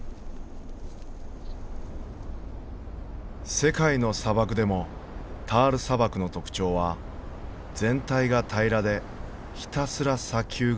世界の砂漠でもタール砂漠の特徴は全体が平らでひたすら砂丘が続くこと。